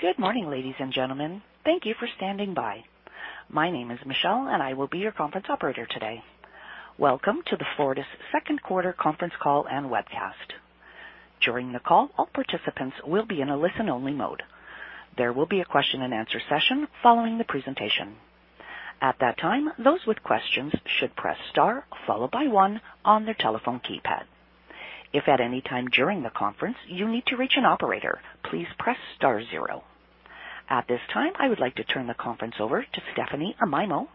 Good morning, ladies and gentlemen. Thank you for standing by. My name is Michelle, and I will be your conference operator today. Welcome to the Fortis Second Quarter Conference Call and Webcast. During the call, all participants will be in a listen-only mode. There will be a question-and-answer session following the presentation. At that time, those with questions should press star followed by one on their telephone keypad. If at any time during the conference you need to reach an operator, please press star zero. At this time, I would like to turn the conference over to Stephanie Amaimo.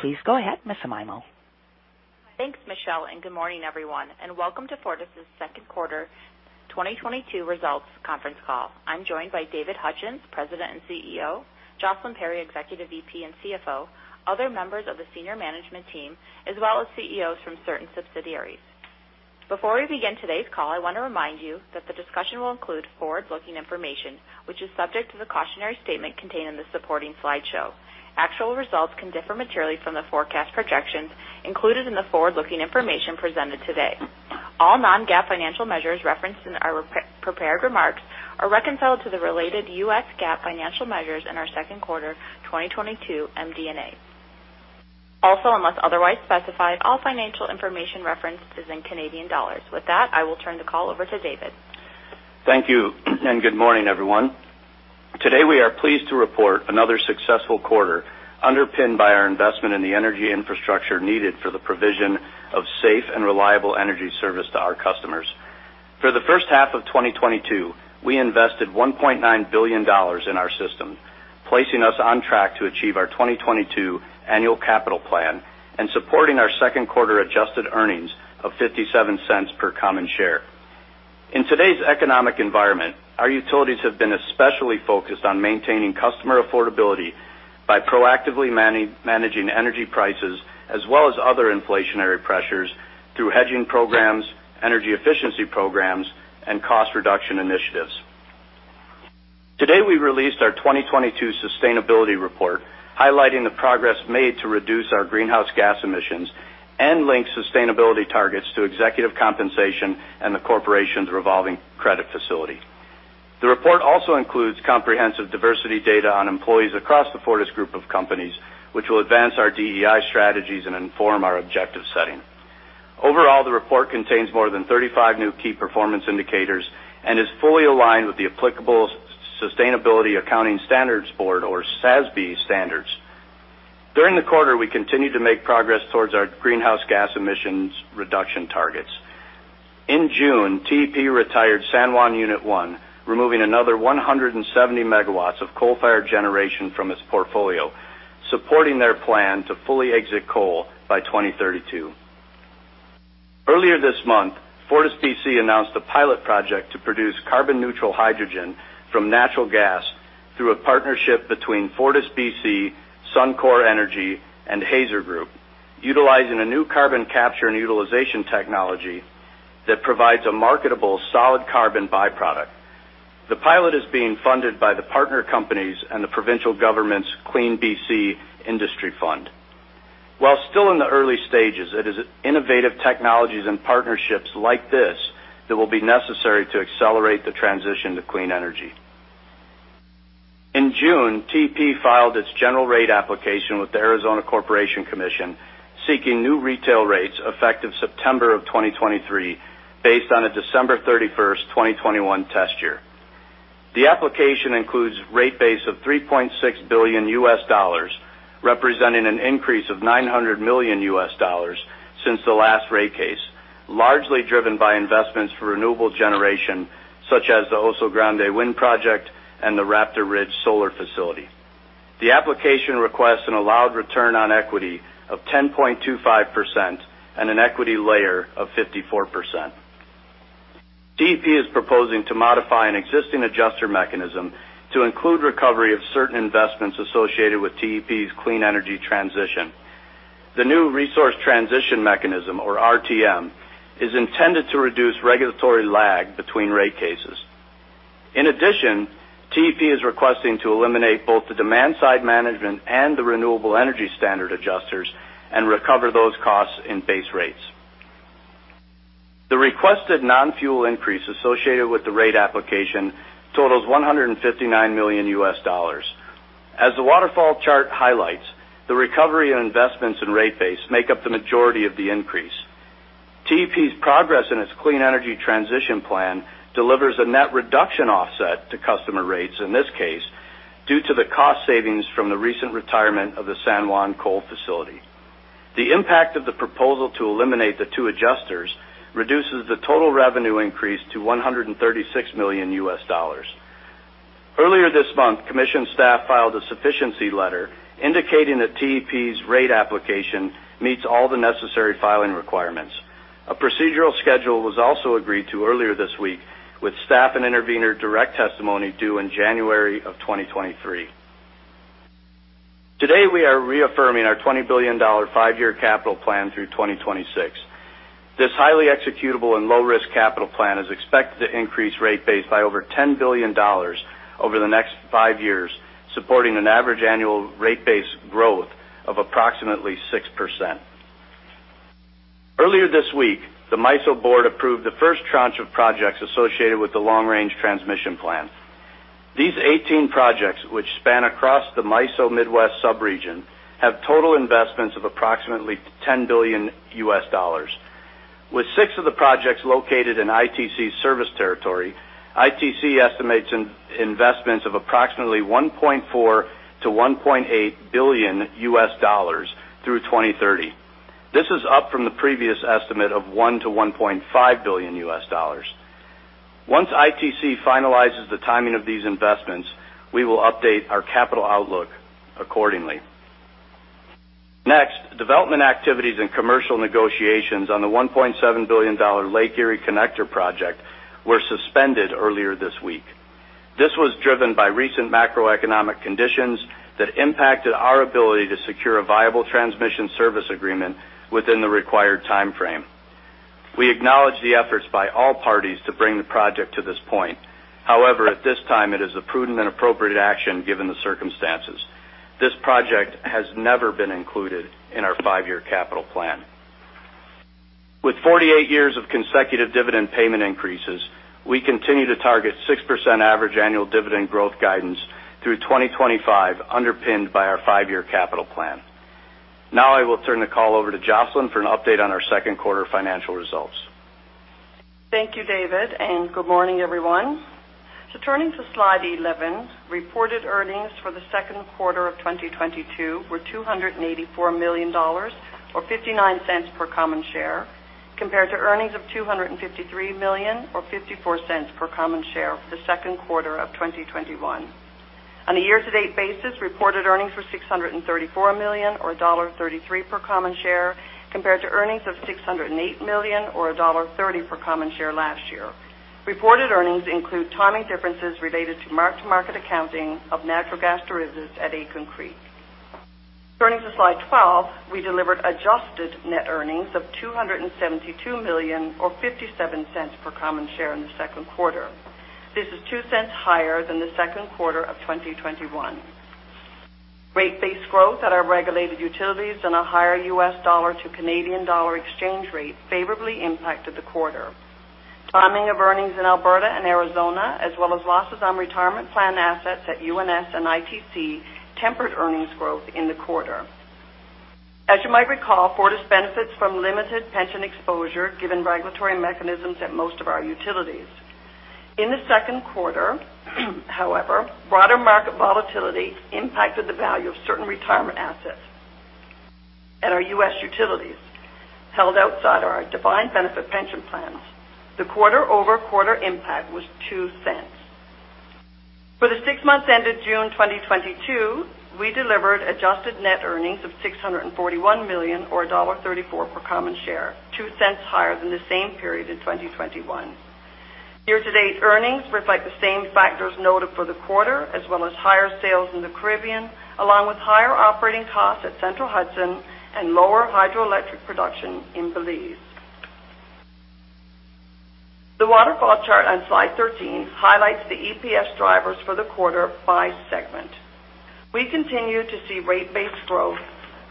Please go ahead, Ms. Amaimo. Thanks, Michelle, and good morning, everyone, and welcome to Fortis' Q2 2022 Results Conference Call. I'm joined by David Hutchens, President and CEO, Jocelyn Perry, Executive VP and CFO, other members of the senior management team, as well as CEOs from certain subsidiaries. Before we begin today's call, I want to remind you that the discussion will include forward-looking information, which is subject to the cautionary statement contained in the supporting slideshow. Actual results can differ materially from the forecast projections included in the forward-looking information presented today. All non-GAAP financial measures referenced in our prepared remarks are reconciled to the related US GAAP financial measures in our Q2 2022 MD&A. Also, unless otherwise specified, all financial information referenced is in Canadian dollars. With that, I will turn the call over to David. Thank you and good morning, everyone. Today, we are pleased to report another successful quarter underpinned by our investment in the energy infrastructure needed for the provision of safe and reliable energy service to our customers. For the first half of 2022, we invested $1.9 billion in our system, placing us on track to achieve our 2022 annual capital plan and supporting our second quarter adjusted earnings of $0.57 per common share. In today's economic environment, our utilities have been especially focused on maintaining customer affordability by proactively managing energy prices as well as other inflationary pressures through hedging programs, energy efficiency programs and cost reduction initiatives. Today, we released our 2022 sustainability report highlighting the progress made to reduce our greenhouse gas emissions and link sustainability targets to executive compensation and the corporation's revolving credit facility. The report also includes comprehensive diversity data on employees across the Fortis group of companies, which will advance our DEI strategies and inform our objective setting. Overall, the report contains more than 35 new key performance indicators and is fully aligned with the applicable Sustainability Accounting Standards Board or SASB standards. During the quarter, we continued to make progress towards our greenhouse gas emissions reduction targets. In June, TEP retired San Juan Unit 1, removing another 170 MW of coal-fired generation from its portfolio, supporting their plan to fully exit coal by 2032. Earlier this month, FortisBC announced a pilot project to produce carbon-neutral hydrogen from natural gas through a partnership between FortisBC, Suncor Energy and Hazer Group, utilizing a new carbon capture and utilization technology that provides a marketable solid carbon by-product. The pilot is being funded by the partner companies and the provincial government's CleanBC Industry Fund. While still in the early stages, it is innovative technologies and partnerships like this that will be necessary to accelerate the transition to clean energy. In June, TEP filed its general rate application with the Arizona Corporation Commission, seeking new retail rates effective September of 2023 based on a December 31st, 2021 test year. The application includes rate base of $3.6 billion, representing an increase of $900 million since the last rate case, largely driven by investments for renewable generation such as the Oso Grande Wind Farm and the Raptor Ridge Solar Facility. The application requests an allowed return on equity of 10.25% and an equity layer of 54%. TEP is proposing to modify an existing adjuster mechanism to include recovery of certain investments associated with TEP's clean energy transition. The new resource transition mechanism, or RTM, is intended to reduce regulatory lag between rate cases. In addition, TEP is requesting to eliminate both the demand-side management and the renewable energy standard adjusters and recover those costs in base rates. The requested non-fuel increase associated with the rate application totals $159 million. As the waterfall chart highlights, the recovery and investments in rate base make up the majority of the increase. TEP's progress in its clean energy transition plan delivers a net reduction offset to customer rates in this case, due to the cost savings from the recent retirement of the San Juan coal facility. The impact of the proposal to eliminate the two adjusters reduces the total revenue increase to $136 million. Earlier this month, commission staff filed a sufficiency letter indicating that TEP's rate application meets all the necessary filing requirements. A procedural schedule was also agreed to earlier this week, with staff and intervener direct testimony due in January 2023. Today, we are reaffirming our $20 billion five-year capital plan through 2026. This highly executable and low-risk capital plan is expected to increase rate base by over $10 billion over the next five years, supporting an average annual rate base growth of approximately 6%. Earlier this week, the MISO board approved the first tranche of projects associated with the long-range transmission plan. These 18 projects, which span across the MISO Midwest sub-region, have total investments of approximately $10 billion. With six of the projects located in ITC service territory, ITC estimates investments of approximately $1.4 billion to $1.8 billion through 2030. This is up from the previous estimate of $1 billion to $1.5 billion. Once ITC finalizes the timing of these investments, we will update our capital outlook accordingly. Next, development activities and commercial negotiations on the $1.7 billion Lake Erie Connector project were suspended earlier this week. This was driven by recent macroeconomic conditions that impacted our ability to secure a viable transmission service agreement within the required time frame. We acknowledge the efforts by all parties to bring the project to this point. However, at this time, it is a prudent and appropriate action given the circumstances. This project has never been included in our five-year capital plan. With 48 years of consecutive dividend payment increases, we continue to target 6% average annual dividend growth guidance through 2025, underpinned by our five-year capital plan. Now I will turn the call over to Jocelyn for an update on our second quarter financial results. Thank you, David, and good morning, everyone. Turning to Slide 11, reported earnings for the second quarter of 2022 were $284 million or $0.59 per common share, compared to earnings of $253 million or $0.54 per common share for the second quarter of 2021. On a year-to-date basis, reported earnings were $634 million or $1.33 per common share, compared to earnings of $608 million or $1.30 per common share last year. Reported earnings include timing differences related to mark-to-market accounting of natural gas reserves at Aitken Creek. Turning to Slide 12, we delivered adjusted net earnings of $272 million or $0.57 per common share in the second quarter. This is $0.02 higher than the second quarter of 2021. Rate-based growth at our regulated utilities and a higher US dollar to Canadian dollar exchange rate favorably impacted the quarter. Timing of earnings in Alberta and Arizona, as well as losses on retirement plan assets at UNS and ITC tempered earnings growth in the quarter. As you might recall, Fortis benefits from limited pension exposure given regulatory mechanisms at most of our utilities. In the second quarter, however, broader market volatility impacted the value of certain retirement assets at our US utilities held outside our defined benefit pension plans. The quarter-over-quarter impact was $0.02. For the 6 months ended June 2022, we delivered adjusted net earnings of $641 million or $1.34 per common share, $0.02 higher than the same period in 2021. Year-to-date earnings reflect the same factors noted for the quarter, as well as higher sales in the Caribbean, along with higher operating costs at Central Hudson and lower hydroelectric production in Belize. The waterfall chart on Slide 13 highlights the EPS drivers for the quarter by segment. We continue to see rate-based growth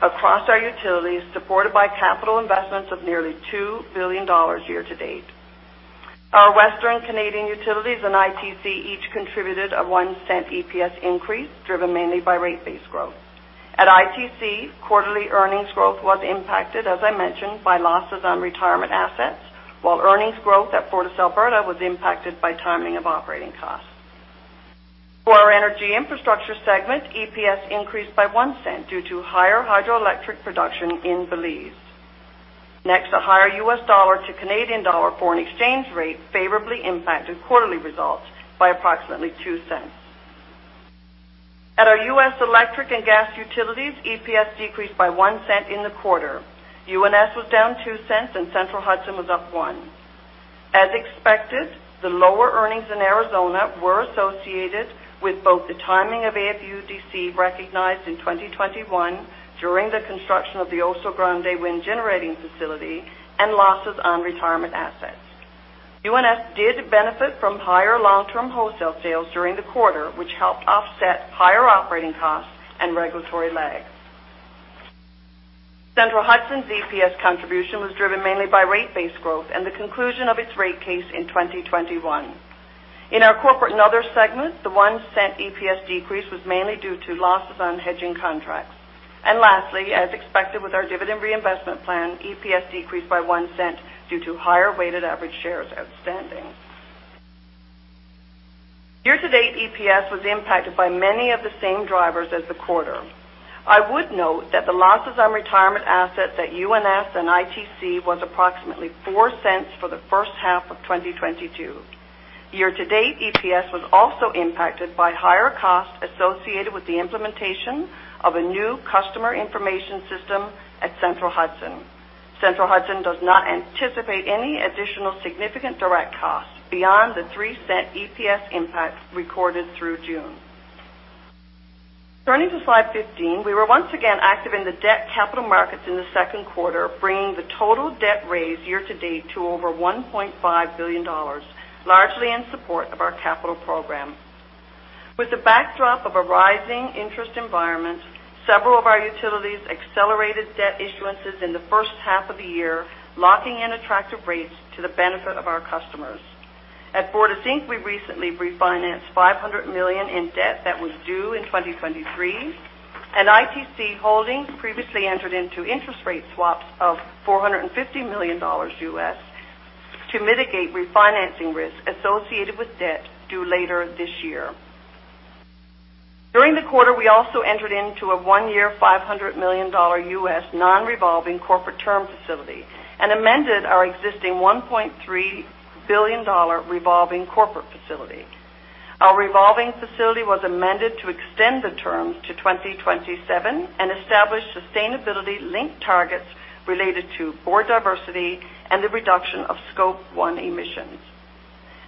across our utilities, supported by capital investments of nearly $2 billion year-to-date. Our Western Canadian utilities and ITC each contributed a $0.01 EPS increase, driven mainly by rate-based growth. At ITC, quarterly earnings growth was impacted, as I mentioned, by losses on retirement assets, while earnings growth at FortisAlberta was impacted by timing of operating costs. For our energy infrastructure segment, EPS increased by $0.01 due to higher hydroelectric production in Belize. Next, a higher US dollar to Canadian dollar foreign exchange rate favorably impacted quarterly results by approximately $0.02. At our US electric and gas utilities, EPS decreased by $0.01 in the quarter. UNS was down $0.02 and Central Hudson was up $0.01. As expected, the lower earnings in Arizona were associated with both the timing of AFUDC recognized in 2021 during the construction of the Oso Grande Wind Farm and losses on retirement assets. UNS did benefit from higher long-term wholesale sales during the quarter, which helped offset higher operating costs and regulatory lags. Central Hudson's EPS contribution was driven mainly by rate base growth and the conclusion of its rate case in 2021. In our corporate and other segments, the $0.01 EPS decrease was mainly due to losses on hedging contracts. Lastly, as expected with our dividend reinvestment plan, EPS decreased by $0.01 due to higher weighted average shares outstanding. Year-to-date EPS was impacted by many of the same drivers as the quarter. I would note that the losses on retirement assets at UNS and ITC was approximately $0.04 for the first half of 2022. Year-to-date EPS was also impacted by higher costs associated with the implementation of a new customer information system at Central Hudson. Central Hudson does not anticipate any additional significant direct costs beyond the $0.03 EPS impact recorded through June. Turning to Slide 15, we were once again active in the debt capital markets in the second quarter, bringing the total debt raised year-to-date to over $1.5 billion, largely in support of our capital program. With the backdrop of a rising interest environment, several of our utilities accelerated debt issuances in the first half of the year, locking in attractive rates to the benefit of our customers. At Fortis Inc, we recently refinanced $500 million in debt that was due in 2023. ITC Holdings Corp. previously entered into interest rate swaps of $450 million to mitigate refinancing risks associated with debt due later this year. During the quarter, we also entered into a one-year $500 million non-revolving corporate term facility and amended our existing $1.3 billion revolving corporate facility. Our revolving facility was amended to extend the terms to 2027 and establish sustainability-linked targets related to board diversity and the reduction of scope one emissions.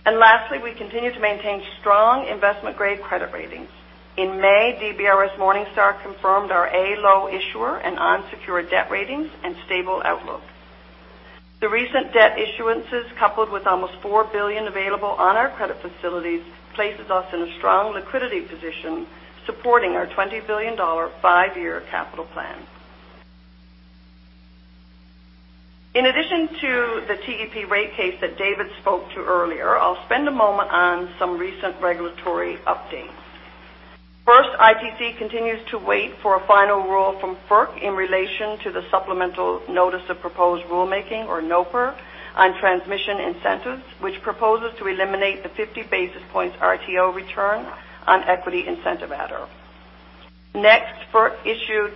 Lastly, we continue to maintain strong investment-grade credit ratings. In May, DBRS Morningstar confirmed our A low issuer and unsecured debt ratings and stable outlook. The recent debt issuances, coupled with almost $4 billion available on our credit facilities, places us in a strong liquidity position, supporting our $20 billion five-year capital plan. In addition to the TEP rate case that David spoke to earlier, I'll spend a moment on some recent regulatory updates. First, ITC continues to wait for a final rule from FERC in relation to the Supplemental Notice of Proposed Rulemaking, or NOPR, on transmission incentives, which proposes to eliminate the 50 basis points RTO return on equity incentive adder. Next, FERC issued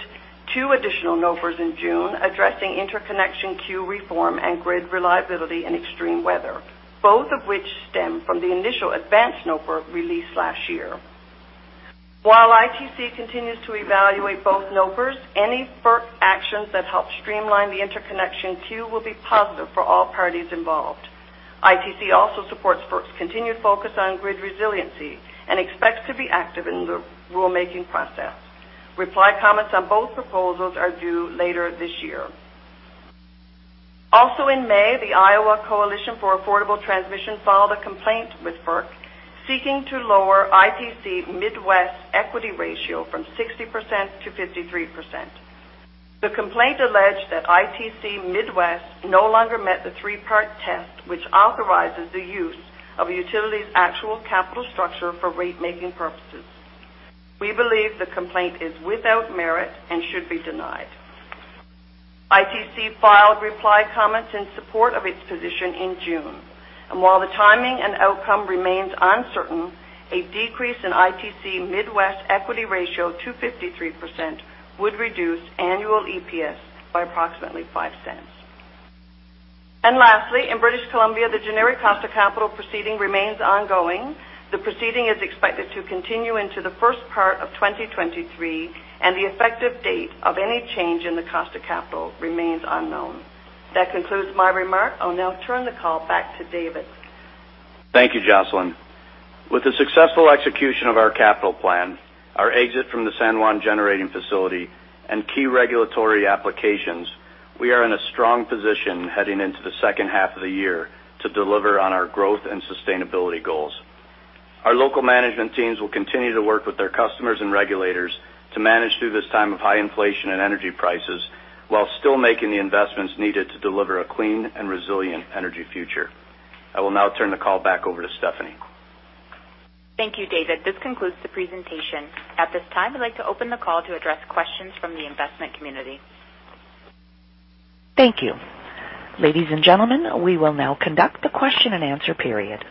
two additional NOPRs in June addressing interconnection queue reform and grid reliability in extreme weather, both of which stem from the initial advanced NOPR released last year. While ITC continues to evaluate both NOPRs, any FERC actions that help streamline the interconnection queue will be positive for all parties involved. ITC also supports FERC's continued focus on grid resiliency and expects to be active in the rulemaking process. Reply comments on both proposals are due later this year. Also in May, the Iowa Coalition for Affordable Transmission filed a complaint with FERC seeking to lower ITC Midwest's equity ratio from 60% to 53%. The complaint alleged that ITC Midwest no longer met the three-part test which authorizes the use of a utility's actual capital structure for rate-making purposes. We believe the complaint is without merit and should be denied. ITC filed reply comments in support of its position in June. While the timing and outcome remains uncertain, a decrease in ITC Midwest equity ratio to 53% would reduce annual EPS by approximately $0.05. Lastly, in British Columbia, the generic cost of capital proceeding remains ongoing. The proceeding is expected to continue into the first part of 2023, and the effective date of any change in the cost of capital remains unknown. That concludes my remark. I'll now turn the call back to David. Thank you, Jocelyn. With the successful execution of our capital plan, our exit from the San Juan generating facility and key regulatory applications, we are in a strong position heading into the second half of the year to deliver on our growth and sustainability goals. Our local management teams will continue to work with their customers and regulators to manage through this time of high inflation and energy prices while still making the investments needed to deliver a clean and resilient energy future. I will now turn the call back over to Stephanie. Thank you, David. This concludes the presentation. At this time, I'd like to open the call to address questions from the investment community. Thank you. Ladies and gentlemen, we will now conduct the question-and-answer period.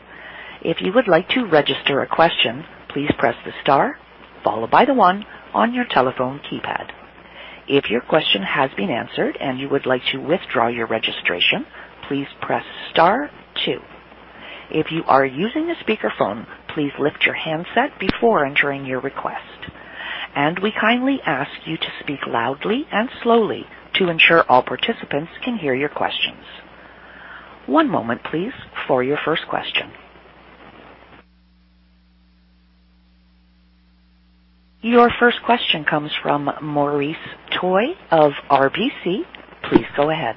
If you would like to register a question, please press the star followed by the one on your telephone keypad. If your question has been answered and you would like to withdraw your registration, please press star two. If you are using a speakerphone, please lift your handset before entering your request. We kindly ask you to speak loudly and slowly to ensure all participants can hear your questions. One moment please for your first question. Your first question comes from Maurice Choy of RBC. Please go ahead.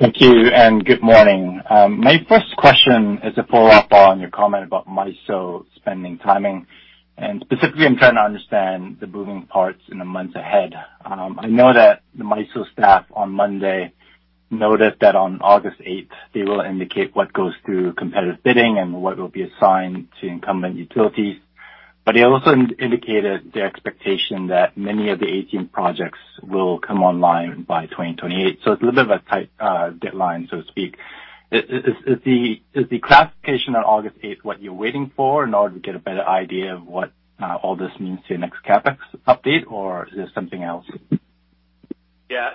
Thank you and good morning. My first question is a follow-up on your comment about MISO spending timing, and specifically I'm trying to understand the moving parts in the months ahead. I know that the MISO staff on Monday noted that on August 8, they will indicate what goes through competitive bidding and what will be assigned to incumbent utilities. They also indicated the expectation that many of the 18 projects will come online by 2028. It's a little bit of a tight deadline, so to speak. Is the classification on August 8th what you're waiting for in order to get a better idea of what all this means to your next CapEx update, or is there something else? Yeah,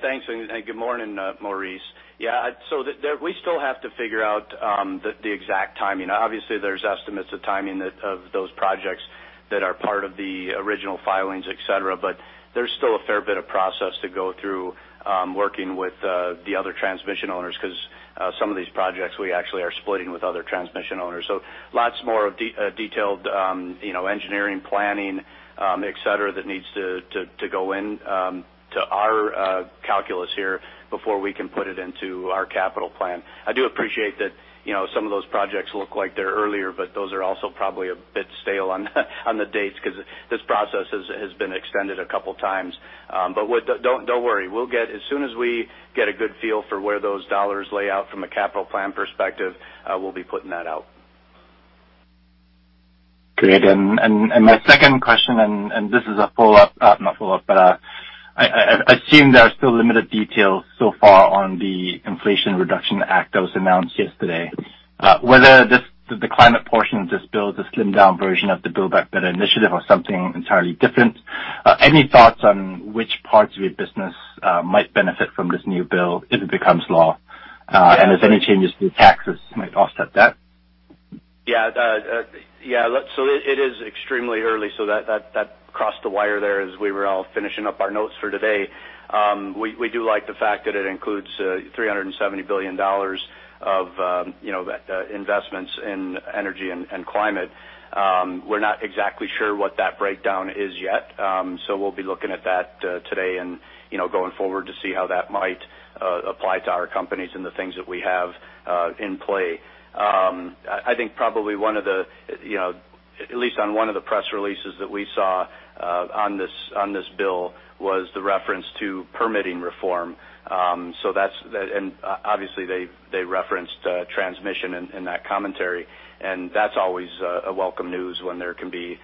thanks, and good morning, Maurice. Yeah, so we still have to figure out the exact timing. Obviously, there's estimates of timing that of those projects that are part of the original filings, et cetera, but there's still a fair bit of process to go through, working with the other transmission owners because some of these projects we actually are splitting with other transmission owners. So lots more of detailed, you know, engineering, planning, et cetera, that needs to go in to our calculus here before we can put it into our capital plan. I do appreciate that, you know, some of those projects look like they're earlier, but those are also probably a bit stale on the dates because this process has been extended a couple of times. But don't worry. As soon as we get a good feel for where those dollars lay out from a capital plan perspective, we'll be putting that out. Great. My second question, this is not a follow-up, but I assume there are still limited details so far on the Inflation Reduction Act that was announced yesterday. Whether this, the climate portion of this bill, is a slimmed-down version of the Build Back Better initiative or something entirely different. Any thoughts on which parts of your business might benefit from this new bill if it becomes law? If any changes to taxes might offset that. It is extremely early, so that crossed the wire there as we were all finishing up our notes for today. We do like the fact that it includes $370 billion of, you know, investments in energy and climate. We're not exactly sure what that breakdown is yet. We'll be looking at that today and, you know, going forward to see how that might apply to our companies and the things that we have in play. I think probably one of the, you know, at least on one of the press releases that we saw on this bill was the reference to permitting reform. That's and obviously they referenced transmission in that commentary, and that's always a welcome news when there can be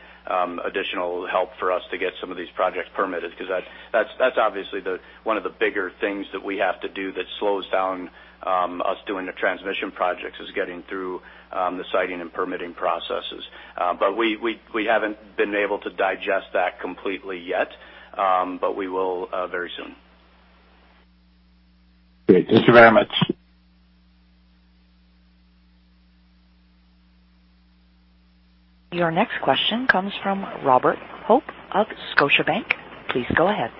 additional help for us to get some of these projects permitted, because that's obviously the one of the bigger things that we have to do that slows down us doing the transmission projects is getting through the siting and permitting processes. But we haven't been able to digest that completely yet, but we will very soon. Great. Thank you very much. Your next question comes from Robert Hope of Scotiabank. Please go ahead.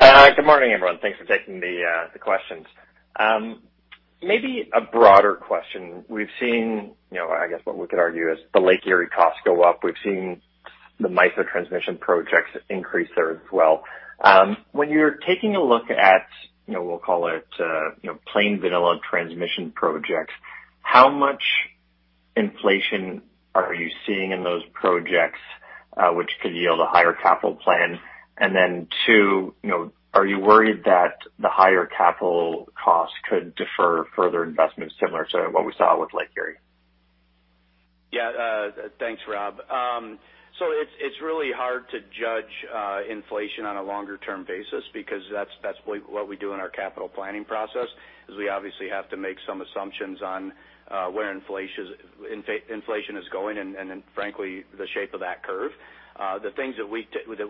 Good morning, everyone. Thanks for taking the questions. Maybe a broader question. We've seen, you know, I guess what we could argue is the Lake Erie costs go up. We've seen the MISO transmission projects increase there as well. When you're taking a look at, you know, we'll call it, you know, plain vanilla transmission projects, how much inflation are you seeing in those projects, which could yield a higher capital plan? Two, you know, are you worried that the higher capital costs could defer further investments similar to what we saw with Lake Erie? Yeah. Thanks, Rob. So it's really hard to judge inflation on a longer-term basis because that's what we do in our capital planning process, is we obviously have to make some assumptions on where inflation is going and frankly the shape of that curve. The things that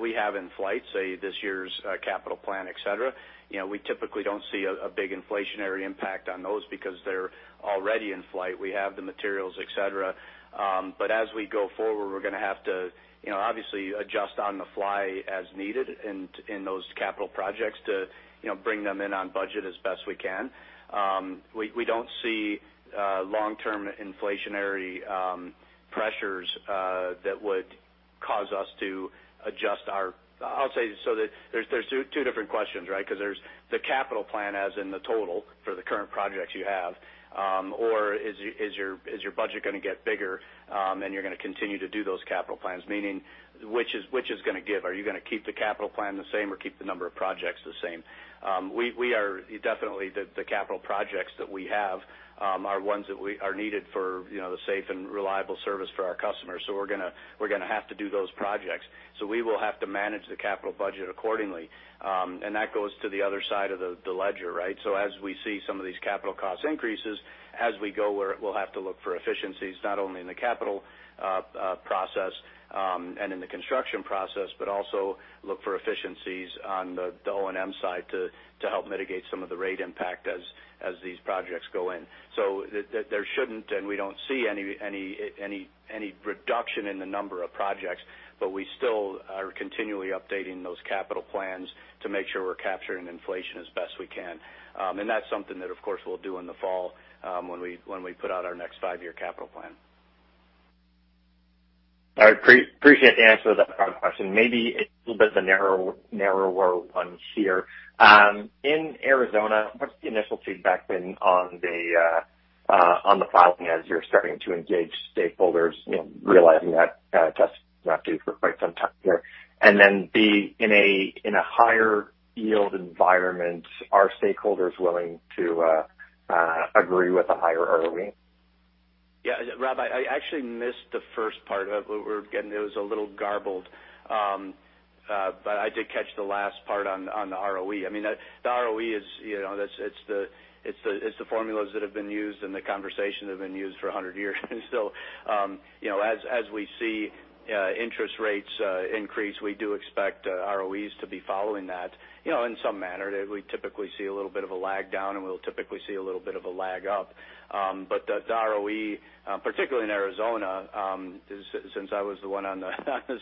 we have in flight, say, this year's capital plan, et cetera, you know, we typically don't see a big inflationary impact on those because they're already in flight. We have the materials, et cetera. As we go forward, we're going to have to, you know, obviously adjust on the fly as needed in those capital projects to, you know, bring them in on budget as best we can. We don't see long-term inflationary pressures that would cause us to adjust our. I'll say, so there's two different questions, right? Because there's the capital plan, as in the total for the current projects you have, or is your budget going to get bigger, and you're going to continue to do those capital plans, meaning which is going to give? Are you going to keep the capital plan the same or keep the number of projects the same? The capital projects that we have are ones that are needed for, you know, the safe and reliable service for our customers. We're going to have to do those projects. We will have to manage the capital budget accordingly. That goes to the other side of the ledger, right? As we see some of these capital cost increases, as we go, we'll have to look for efficiencies, not only in the capital process, and in the construction process, but also look for efficiencies on the O&M side to help mitigate some of the rate impact as these projects go in. There shouldn't and we don't see any reduction in the number of projects, but we still are continually updating those capital plans to make sure we're capturing inflation as best we can. That's something that, of course, we'll do in the fall, when we put out our next five-year capital plan. All right. Appreciate the answer to that broad question. Maybe a little bit of a narrower one here. In Arizona, what's the initial feedback been on the filing as you're starting to engage stakeholders, you know, realizing that that's not due for quite some time here. Then B, in a higher yield environment, are stakeholders willing to agree with a higher ROE? Yeah. Robert, I actually missed the first part. We're getting those a little garbled, but I did catch the last part on the ROE. I mean, the ROE is, you know, that's—it's the formulas that have been used and the conventions that have been used for 100 years. You know, as we see interest rates increase, we do expect ROEs to be following that, you know, in some manner. We typically see a little bit of a lag down, and we'll typically see a little bit of a lag up. But the ROE, particularly in Arizona, since I was the one on the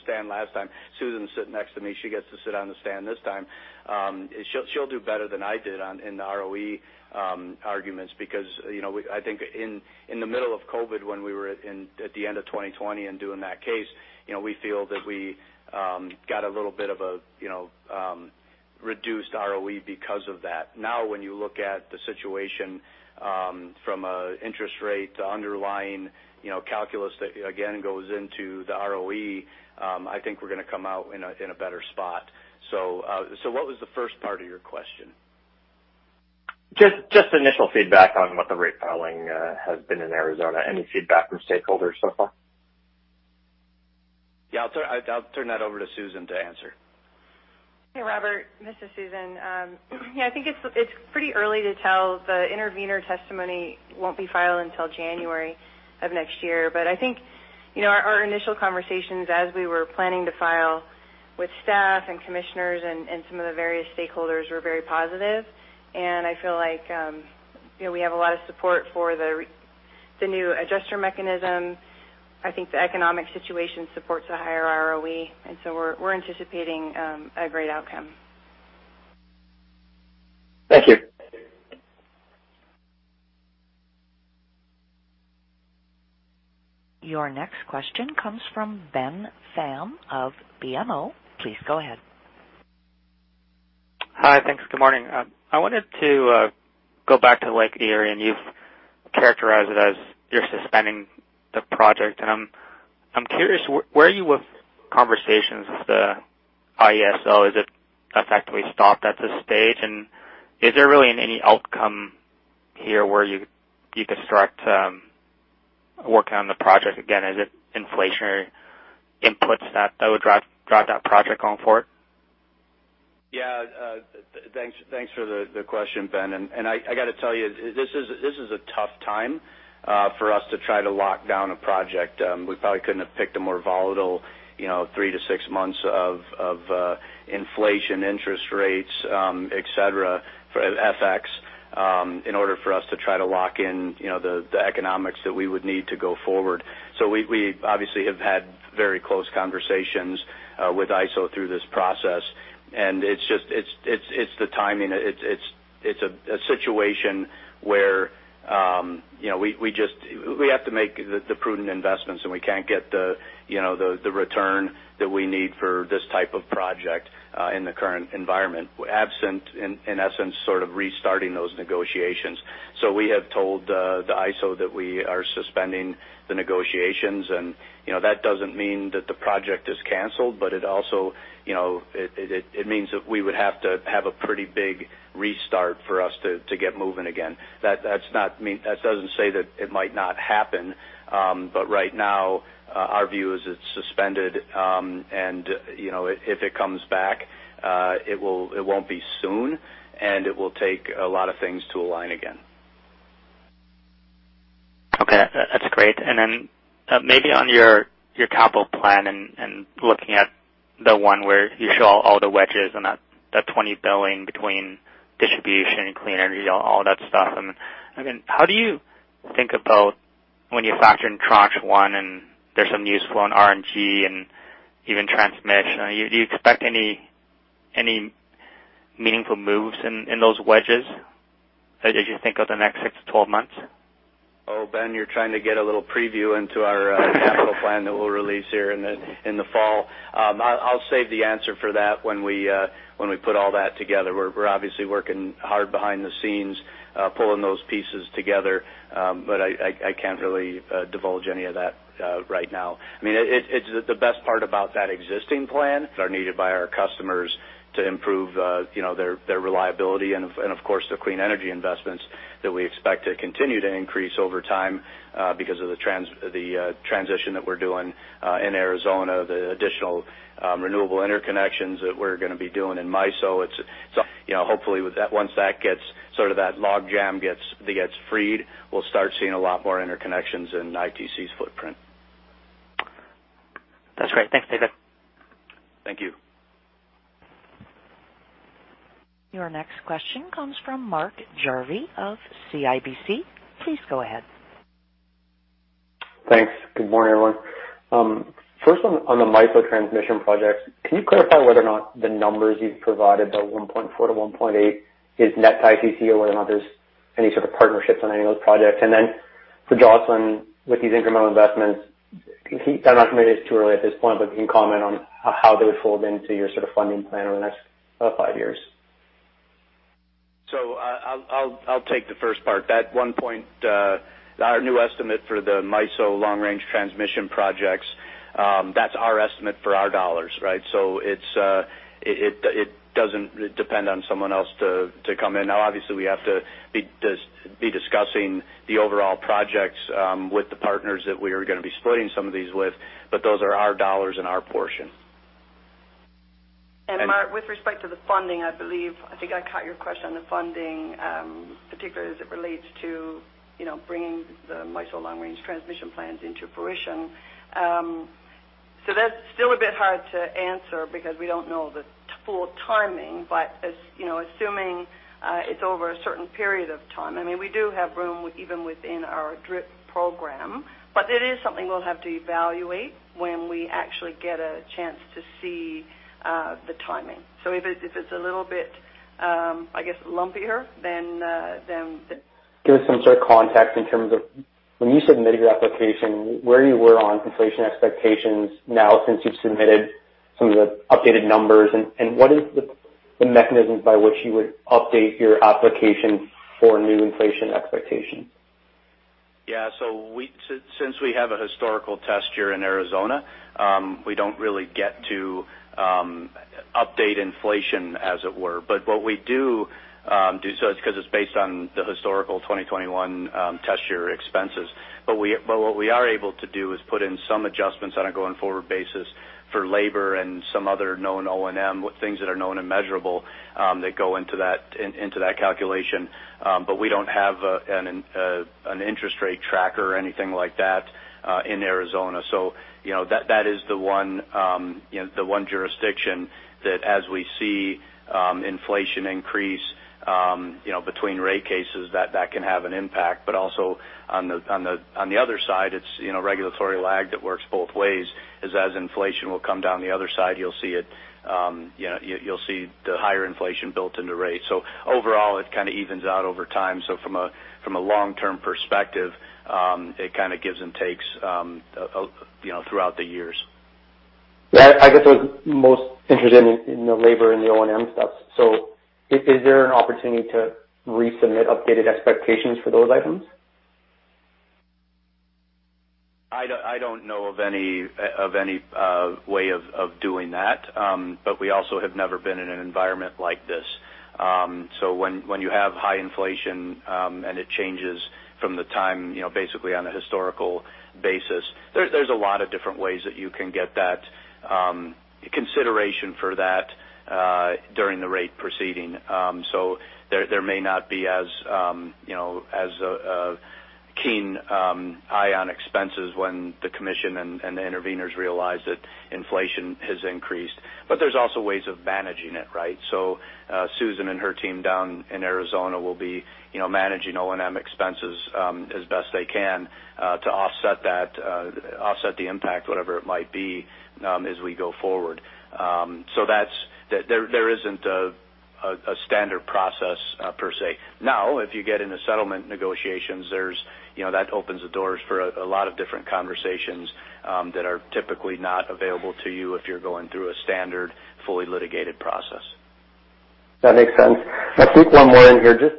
stand last time, Susan's sitting next to me, she gets to sit on the stand this time. She'll do better than I did on the ROE arguments because, you know, I think in the middle of COVID, when we were at the end of 2020 and doing that case, you know, we feel that we got a little bit of a, you know, reduced ROE because of that. Now, when you look at the situation from an interest rate underlying, you know, calculus that again goes into the ROE, I think we're going to come out in a better spot. What was the first part of your question? Just initial feedback on what the rate filing has been in Arizona. Any feedback from stakeholders so far? Yeah, I'll turn that over to Susan to answer. Hey, Robert, this is Susan. Yeah, I think it's pretty early to tell. The intervener testimony won't be filed until January of next year. I think, you know, our initial conversations as we were planning to file with staff and commissioners and some of the various stakeholders were very positive. I feel like, you know, we have a lot of support for the new adjuster mechanism. I think the economic situation supports a higher ROE, and so we're anticipating a great outcome. Thank you. Your next question comes from Ben Pham of BMO. Please go ahead. Hi. Thanks. Good morning. I wanted to go back to the Lake Erie, and you've characterized it as you're suspending the project. I'm curious, where are you with conversations with the IESO? Is it effectively stopped at this stage? Is there really any outcome here where you could start working on the project again? Is it inflationary inputs that would drive that project going forward? Yeah. Thanks for the question, Ben. I got to tell you, this is a tough time for us to try to lock down a project. We probably couldn't have picked a more volatile, you know, 3-6 months of inflation interest rates, et cetera, for FX, in order for us to try to lock in, you know, the economics that we would need to go forward. We obviously have had very close conversations with IESO through this process. It's just the timing. It's a situation where, you know, we just—we have to make the prudent investments, and we can't get the, you know, the return that we need for this type of project in the current environment, absent, in essence, sort of restarting those negotiations. We have told the IESO that we are suspending the negotiations. You know, that doesn't mean that the project is canceled, but it also, you know, it means that we would have to have a pretty big restart for us to get moving again. That doesn't mean. That doesn't say that it might not happen. Right now, our view is it's suspended. You know, if it comes back, it won't be soon, and it will take a lot of things to align again. Okay. That's great. Maybe on your capital plan and looking at the one where you show all the wedges and that $20 billion between distribution and clean energy, all that stuff. I mean, how do you think about when you factor in Tranche 1, and there's some upside in RNG and even transmission, do you expect any meaningful moves in those wedges as you think of the next 6-12 months? Ben, you're trying to get a little preview into our capital plan that we'll release here in the fall. I'll save the answer for that when we put all that together. We're obviously working hard behind the scenes pulling those pieces together. I can't really divulge any of that right now. I mean, the best part about that existing plan are needed by our customers to improve you know their reliability and of course the clean energy investments that we expect to continue to increase over time because of the transition that we're doing in Arizona the additional renewable interconnections that we're gonna be doing in MISO. It's you know, hopefully with that, once that logjam gets freed, we'll start seeing a lot more interconnections in ITC's footprint. That's great. Thanks, David. Thank you. Your next question comes from Mark Jarvi of CIBC. Please go ahead. Thanks. Good morning, everyone. First on the MISO transmission projects, can you clarify whether or not the numbers you've provided, the 1.4 to 1.8, is net to ITC or whether or not there's any sort of partnerships on any of those projects? Then for Jocelyn, with these incremental investments, can you—I know maybe it's too early at this point, but can you comment on how they would fold into your sort of funding plan over the next five years? I'll take the first part. That one point, our new estimate for the MISO long-range transmission projects, that's our estimate for our dollars, right? It's. It doesn't depend on someone else to come in. Now, obviously, we have to be discussing the overall projects with the partners that we are gonna be splitting some of these with, but those are our dollars and our portion. Mark, with respect to the funding, I believe, I think I caught your question on the funding, particularly as it relates to, you know, bringing the MISO long-range transmission plans into fruition. That's still a bit hard to answer because we don't know the full timing. As you know, assuming it's over a certain period of time, I mean, we do have room even within our DRIP program. It is something we'll have to evaluate when we actually get a chance to see the timing. If it's a little bit, I guess, lumpier, then— Can you give some sort of context in terms of when you submitted your application, where you were on inflation expectations now, since you've submitted some of the updated numbers, and what is the mechanisms by which you would update your application for new inflation expectations? Since we have a historical test here in Arizona, we don't really get to update inflation as it were. What we do. It's because it's based on the historical 2021 test year expenses. What we are able to do is put in some adjustments on a going forward basis for labor and some other known O&M with things that are known and measurable that go into that calculation. We don't have an interest rate tracker or anything like that in Arizona. You know, that is the one jurisdiction that as we see inflation increase, you know, between rate cases that can have an impact. also on the other side, it's, you know, regulatory lag that works both ways as inflation will come down the other side, you'll see it. You know, you'll see the higher inflation built into rates. Overall, it kind of evens out over time. From a long-term perspective, it kind of gives and takes, you know, throughout the years. Yeah. I guess I was most interested in the labor and the O&M stuff. Is there an opportunity to resubmit updated expectations for those items? I don't know of any way of doing that. We also have never been in an environment like this. When you have high inflation and it changes from the time, you know, basically on a historical basis. There's a lot of different ways that you can get that consideration for that during the rate proceeding. There may not be as, you know, as a keen eye on expenses when the commission and the interveners realize that inflation has increased. There's also ways of managing it, right? Susan and her team down in Arizona will be, you know, managing O&M expenses as best they can to offset that impact, whatever it might be, as we go forward. There isn't a standard process, per se. Now, if you get into settlement negotiations, there's, you know, that opens the doors for a lot of different conversations that are typically not available to you if you're going through a standard, fully litigated process. That makes sense. I think one more in here. Just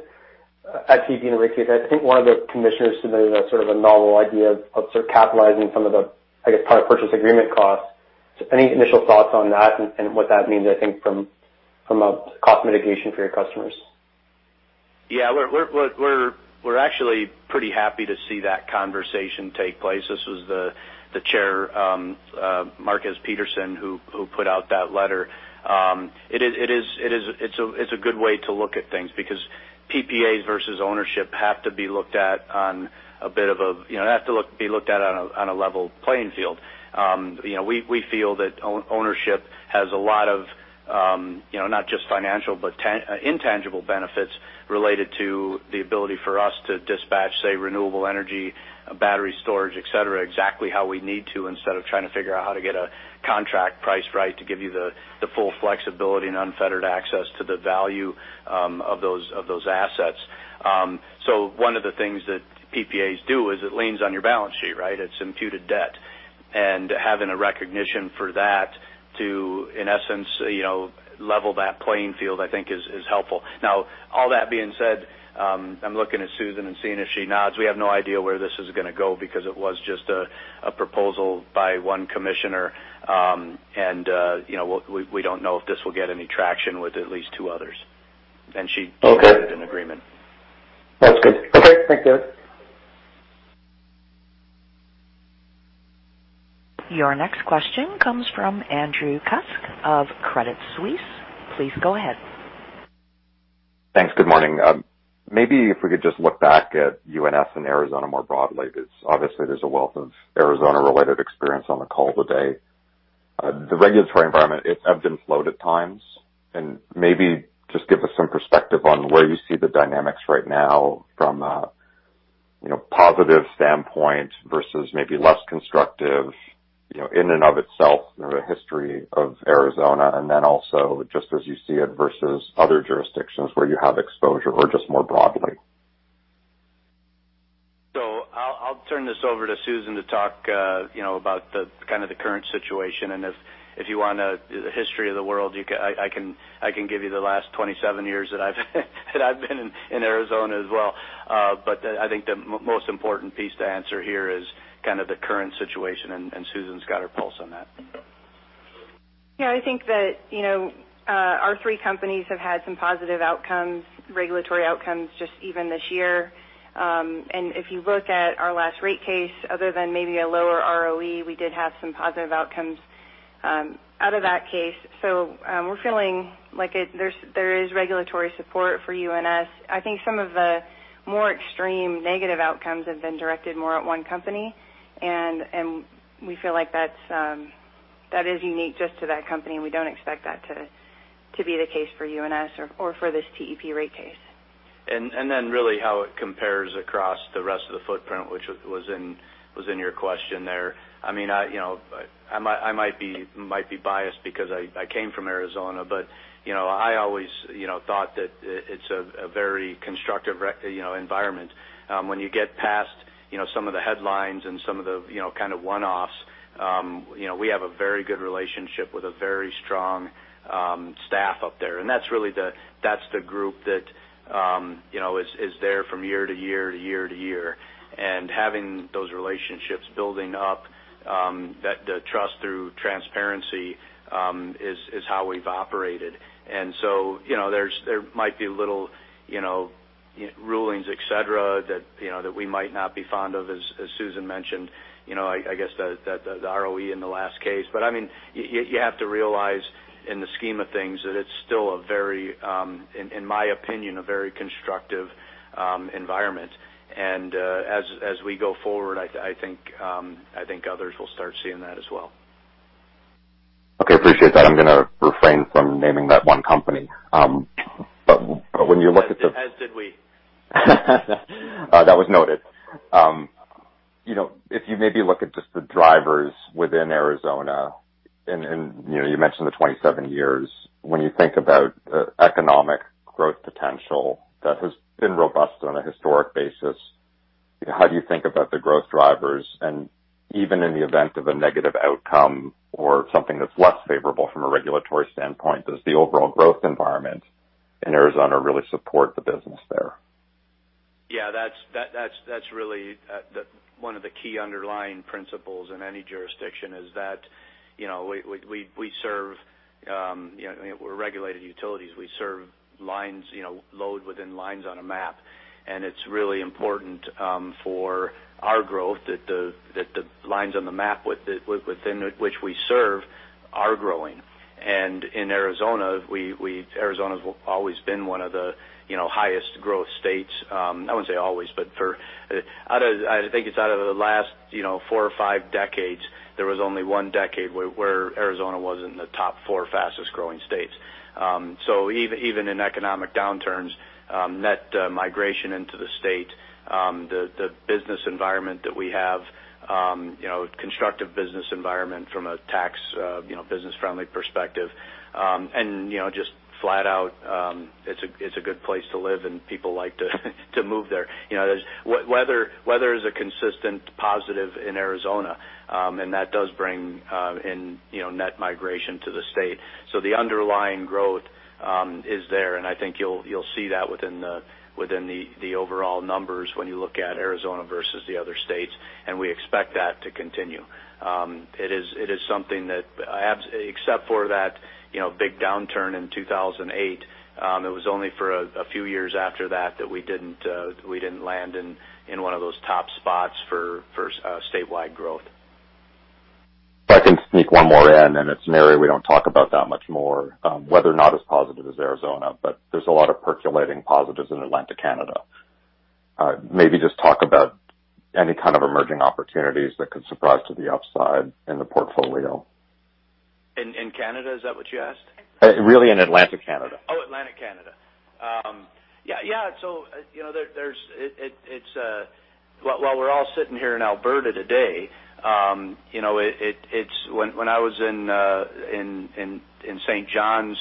at TEP and the rate case, I think one of the commissioners submitted a sort of a novel idea of sort of capitalizing some of the, I guess, power purchase agreement costs. Any initial thoughts on that and what that means, I think, from a cost mitigation for your customers. Yeah. We're actually pretty happy to see that conversation take place. This was the chair, Lea Márquez Peterson, who put out that letter. It's a good way to look at things because PPAs versus ownership have to be looked at on a bit of, you know, be looked at on a level playing field. You know, we feel that ownership has a lot of, you know, not just financial, but intangible benefits related to the ability for us to dispatch, say, renewable energy, battery storage, et cetera, exactly how we need to instead of trying to figure out how to get a contract priced right to give you the full flexibility and unfettered access to the value of those assets. One of the things that PPAs do is it leans on your balance sheet, right? It's imputed debt. Having a recognition for that to, in essence, you know, level that playing field, I think is helpful. Now, all that being said, I'm looking at Susan and seeing if she nods. We have no idea where this is gonna go because it was just a proposal by one commissioner. You know, we don't know if this will get any traction with at least two others. She nodded— Okay. In agreement. That's good. Okay. Thank you. Your next question comes from Andrew Kuske of Credit Suisse. Please go ahead. Thanks. Good morning. Maybe if we could just look back at UNS and Arizona more broadly, because obviously there's a wealth of Arizona-related experience on the call today. The regulatory environment, it's ebbed and flowed at times, and maybe just give us some perspective on where you see the dynamics right now from a, you know, positive standpoint versus maybe less constructive, you know, in and of itself, the history of Arizona, and then also just as you see it versus other jurisdictions where you have exposure or just more broadly. I'll turn this over to Susan to talk, you know, about the kind of the current situation. If you want the history of the world, I can give you the last 27 years that I've been in Arizona as well. But I think the most important piece to answer here is kind of the current situation, and Susan's got her pulse on that. Yeah, I think that, you know, our three companies have had some positive outcomes, regulatory outcomes just even this year. If you look at our last rate case, other than maybe a lower ROE, we did have some positive outcomes out of that case. We're feeling like there is regulatory support for UNS. I think some of the more extreme negative outcomes have been directed more at one company. We feel like that is unique just to that company, and we don't expect that to be the case for UNS or for this TEP rate case. really how it compares across the rest of the footprint, which was in your question there. I mean, you know, I might be biased because I came from Arizona. You know, I always thought that it's a very constructive environment. When you get past, you know, some of the headlines and some of the kind of one-offs, you know, we have a very good relationship with a very strong staff up there. That's really the group that you know, is there from year-to-year. Having those relationships building up, the trust through transparency is how we've operated. You know, there might be little, you know, minor rulings, et cetera, that, you know, that we might not be fond of, as Susan mentioned. You know, I guess the ROE in the last case. I mean, you have to realize in the scheme of things that it's still a very, in my opinion, a very constructive environment. As we go forward, I think others will start seeing that as well. Okay, appreciate that. I'm gonna refrain from naming that one company. When you look at the— As did we. That was noted. You know, if you maybe look at just the drivers within Arizona and you know, you mentioned the 27 years. When you think about economic growth potential that has been robust on a historic basis, how do you think about the growth drivers? Even in the event of a negative outcome or something that's less favorable from a regulatory standpoint, does the overall growth environment in Arizona really support the business there? Yeah, that's really one of the key underlying principles in any jurisdiction is that, you know, we serve, you know, we're regulated utilities. We serve lines, you know, load within lines on a map. It's really important for our growth that the lines on the map within which we serve are growing. In Arizona's always been one of the highest growth states. I wouldn't say always, but I think it's out of the last, you know, four or five decades, there was only one decade where Arizona was in the top four fastest-growing states. Even in economic downturns, net migration into the state, the business environment that we have, you know, constructive business environment from a tax, you know, business-friendly perspective. You know, just flat out, it's a good place to live, and people like to move there. You know, weather is a consistent positive in Arizona, and that does bring in, you know, net migration to the state. The underlying growth is there, and I think you'll see that within the overall numbers when you look at Arizona versus the other states, and we expect that to continue. It is something that, except for that, you know, big downturn in 2008, it was only for a few years after that we didn't land in one of those top spots for statewide growth. If I can sneak one more in, and it's an area we don't talk about that much more, whether or not as positive as Arizona, but there's a lot of percolating positives in Atlantic Canada. Maybe just talk about any kind of emerging opportunities that could surprise to the upside in the portfolio. In Canada, is that what you asked? Really in Atlantic Canada. Atlantic Canada. You know, while we're all sitting here in Alberta today, when I was in St. John's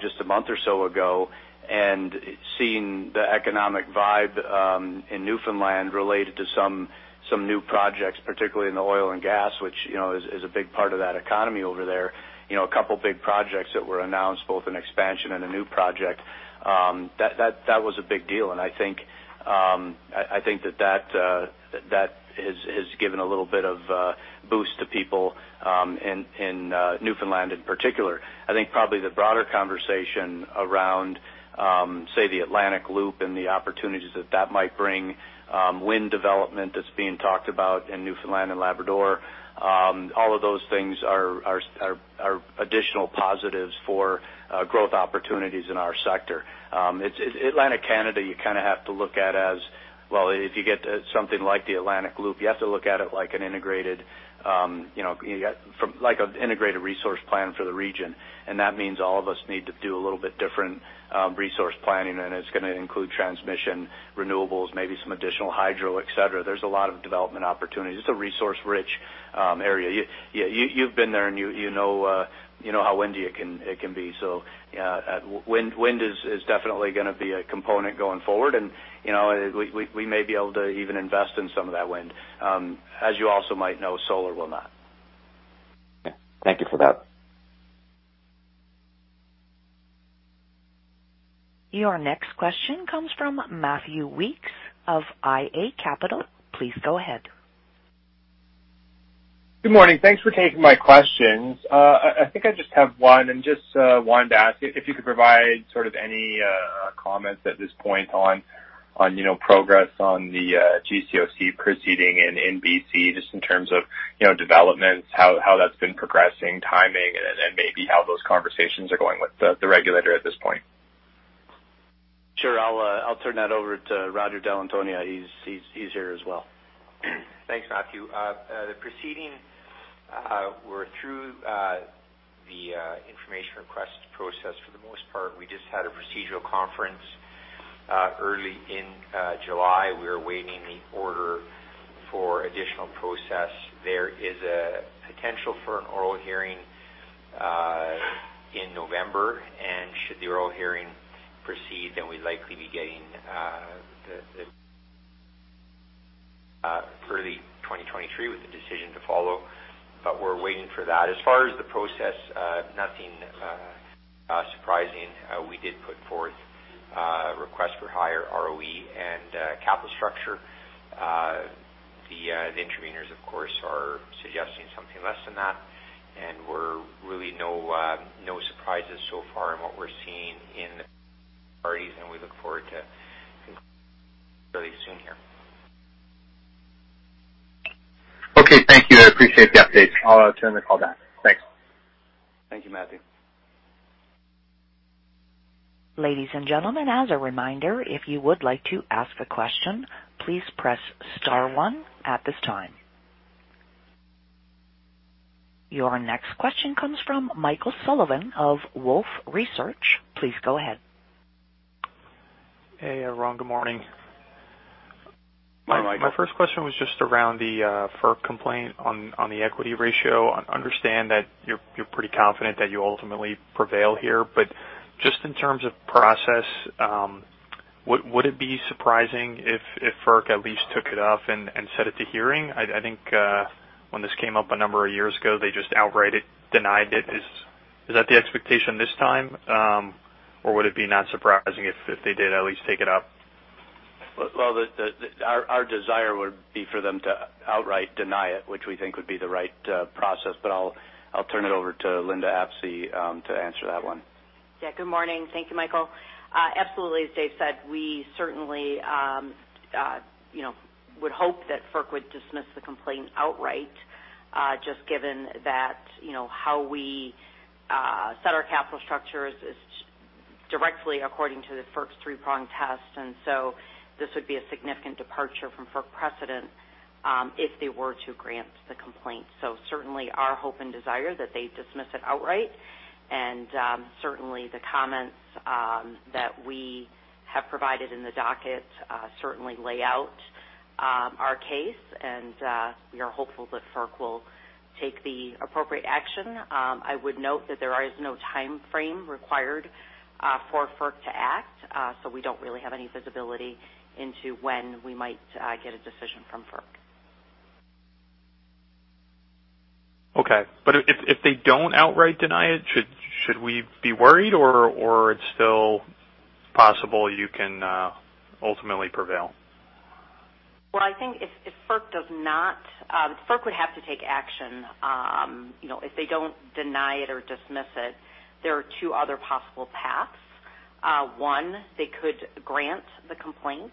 just a month or so ago and seeing the economic vibe in Newfoundland related to some new projects, particularly in the oil and gas, which you know is a big part of that economy over there. You know, a couple big projects that were announced, both an expansion and a new project, that was a big deal. I think that that has given a little bit of a boost to people in Newfoundland in particular. I think probably the broader conversation around, say, the Atlantic Loop and the opportunities that that might bring, wind development that's being talked about in Newfoundland and Labrador, all of those things are additional positives for growth opportunities in our sector. It's Atlantic Canada, you kinda have to look at as, well, if you get something like the Atlantic Loop, you have to look at it like an integrated, you know, like an integrated resource plan for the region. That means all of us need to do a little bit different resource planning, and it's gonna include transmission, renewables, maybe some additional hydro, et cetera. There's a lot of development opportunities. It's a resource-rich area. You've been there, and you know how windy it can be. Wind is definitely gonna be a component going forward. You know, we may be able to even invest in some of that wind. As you also might know, solar will not. Okay. Thank you for that. Your next question comes from Matthew Weekes of iA Capital. Please go ahead. Good morning. Thanks for taking my questions. I think I just have one and just wanted to ask if you could provide sort of any comments at this point on you know progress on the GCOC proceeding in BC, just in terms of you know developments, how that's been progressing, timing, and maybe how those conversations are going with the regulator at this point? Sure. I'll turn that over to Roger Dall'Antonia. He's here as well. Thanks, Matthew. The proceeding we're through the information request process for the most part. We just had a procedural conference early in July. We are awaiting the order for additional process. There is a potential for an oral hearing in November, and should the oral hearing proceed, then we'd likely be getting. Early 2023 with the decision to follow, but we're waiting for that. As far as the process, nothing surprising. We did put forth a request for higher ROE and capital structure. The intervenors, of course, are suggesting something less than that, and there are really no surprises so far in what we're seeing in parties, and we look forward to really soon here. Okay, thank you. I appreciate the update. I'll turn the call back. Thanks. Thank you, Matthew. Ladies and gentlemen, as a reminder, if you would like to ask a question, please press star one at this time. Your next question comes from Michael Sullivan of Wolfe Research. Please go ahead. Hey, everyone. Good morning. Good morning, Mike. My first question was just around the FERC complaint on the equity ratio. I understand that you're pretty confident that you ultimately prevail here, but just in terms of process, would it be surprising if FERC at least took it up and set it to hearing? I think when this came up a number of years ago, they just outright denied it. Is that the expectation this time, or would it be not surprising if they did at least take it up? Well, our desire would be for them to outright deny it, which we think would be the right process. I'll turn it over to Linda Apsey to answer that one. Yeah. Good morning. Thank you, Michael. Absolutely. As Dave said, we certainly, you know, would hope that FERC would dismiss the complaint outright, just given that, you know, how we set our capital structure is directly according to the FERC's three-prong test. This would be a significant departure from FERC precedent, if they were to grant the complaint. Certainly our hope and desire that they dismiss it outright. Certainly the comments that we have provided in the docket certainly lay out our case, and we are hopeful that FERC will take the appropriate action. I would note that there is no timeframe required for FERC to act, so we don't really have any visibility into when we might get a decision from FERC. Okay. If they don't outright deny it, should we be worried or it's still possible you can ultimately prevail? Well, I think if FERC does not, FERC would have to take action. You know, if they don't deny it or dismiss it, there are two other possible paths. One, they could grant the complaint,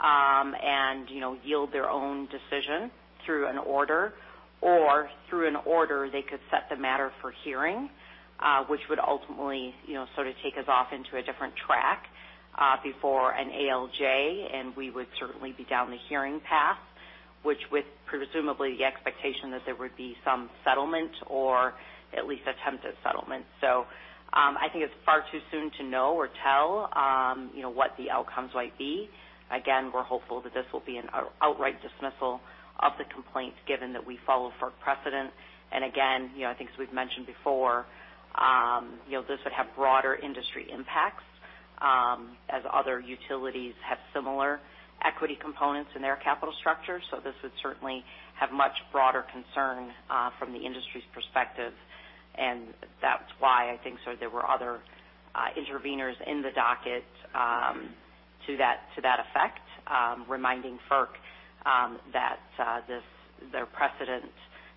and, you know, yield their own decision through an order. Or through an order, they could set the matter for hearing, which would ultimately, you know, sort of take us off into a different track, before an ALJ, and we would certainly be down the hearing path, which, with presumably the expectation that there would be some settlement or at least attempted settlement. I think it's far too soon to know or tell, you know, what the outcomes might be. Again, we're hopeful that this will be an outright dismissal of the complaints given that we follow FERC precedent. Again, you know, I think as we've mentioned before, you know, this would have broader industry impacts, as other utilities have similar equity components in their capital structure. This would certainly have much broader concern from the industry's perspective, and that's why I think there were other interveners in the docket to that effect, reminding FERC that their precedent,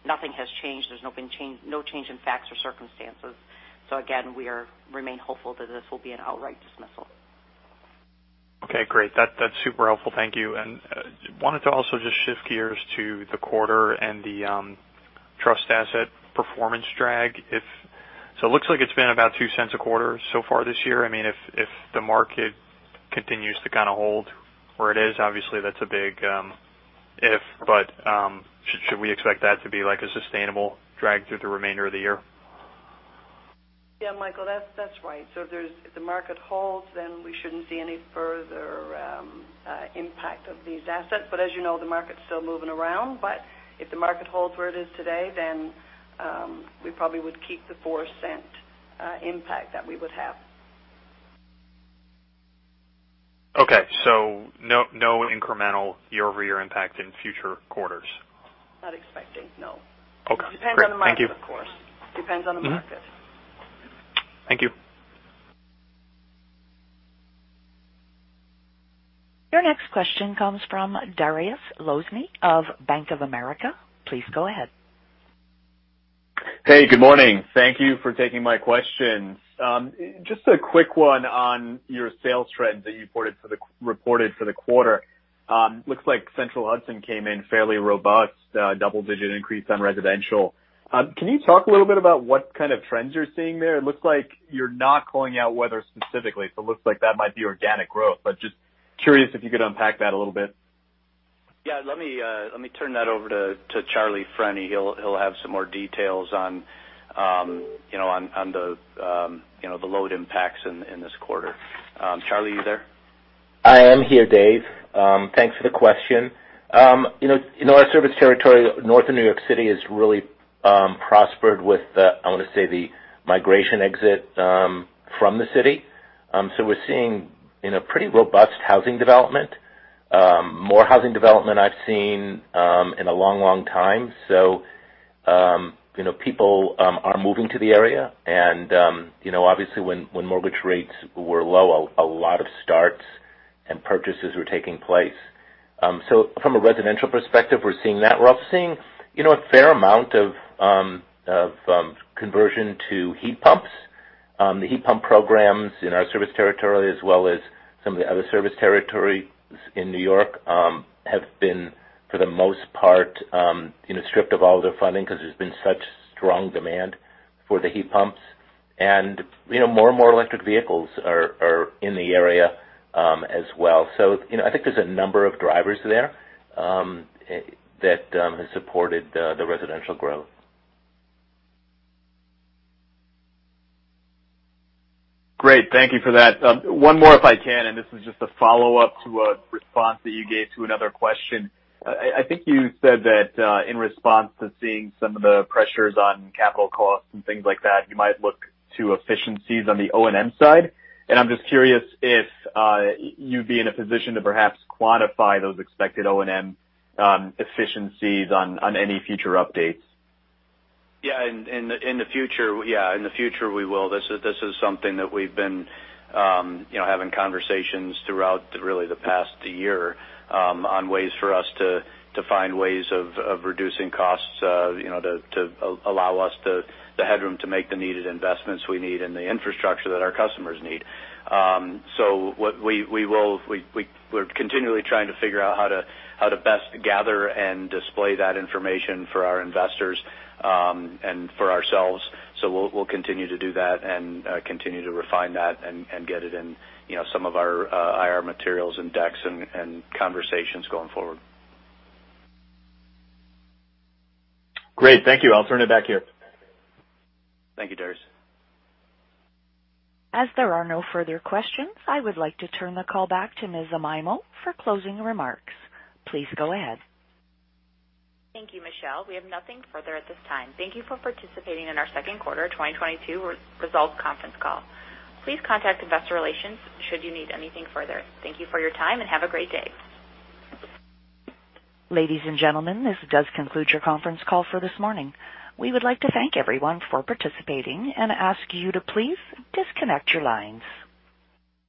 nothing has changed. There's no change in facts or circumstances. Again, we remain hopeful that this will be an outright dismissal. Okay, great. That's super helpful. Thank you. Wanted to also just shift gears to the quarter and the trust asset performance drag. It looks like it's been about $0.02 a quarter so far this year. I mean, if the market continues to kind of hold where it is, obviously that's a big if, but should we expect that to be like a sustainable drag through the remainder of the year? Yeah, Michael, that's right. If the market holds, then we shouldn't see any further impact of these assets. As you know, the market's still moving around. If the market holds where it is today, then we probably would keep the $0.04 impact that we would have. Okay. No incremental year-over-year impact in future quarters. Not expecting, no. Okay. Depends on the market, of course. Great. Thank you. Your next question comes from Dariusz Lozny of Bank of America. Please go ahead. Hey, good morning. Thank you for taking my questions. Just a quick one on your sales trends that you reported for the quarter. Looks like Central Hudson came in fairly robust, double-digit increase on residential. Can you talk a little bit about what kind of trends you're seeing there? It looks like you're not calling out weather specifically, so it looks like that might be organic growth. But just curious if you could unpack that a little bit. Yeah. Let me turn that over to Charlie Freni. He'll have some more details on, you know, the load impacts in this quarter. Charlie, are you there? I am here, Dave. Thanks for the question. You know, in our service territory, north of New York City has really prospered with the, I wanna say, the migration exit from the city. We're seeing, you know, pretty robust housing development, more housing development I've seen in a long, long time. You know, people are moving to the area. You know, obviously, when mortgage rates were low, a lot of starts and purchases were taking place. From a residential perspective, we're seeing that. We're also seeing, you know, a fair amount of conversion to heat pumps. The heat pump programs in our service territory, as well as some of the other service territories in New York, have been, for the most part, you know, stripped of all of their funding because there's been such strong demand for the heat pumps. You know, more and more electric vehicles are in the area, as well. You know, I think there's a number of drivers there that have supported the residential growth. Great. Thank you for that. One more, if I can, and this is just a follow-up to a response that you gave to another question. I think you said that, in response to seeing some of the pressures on capital costs and things like that, you might look to efficiencies on the O&M side. I'm just curious if you'd be in a position to perhaps quantify those expected O&M efficiencies on any future updates. Yeah. In the future, we will. This is something that we've been, you know, having conversations throughout really the past year, on ways for us to find ways of reducing costs, you know, to allow us the headroom to make the needed investments we need and the infrastructure that our customers need. We're continually trying to figure out how to best gather and display that information for our investors, and for ourselves. We'll continue to do that and continue to refine that and get it in, you know, some of our IR materials and decks and conversations going forward. Great. Thank you. I'll turn it back to you. Thank you, Dariusz. As there are no further questions, I would like to turn the call back to Ms. Amaimo for closing remarks. Please go ahead. Thank you, Michelle. We have nothing further at this time. Thank you for participating in our second quarter 2022 results conference call. Please contact investor relations should you need anything further. Thank you for your time, and have a great day. Ladies and gentlemen, this does conclude your conference call for this morning. We would like to thank everyone for participating and ask you to please disconnect your lines.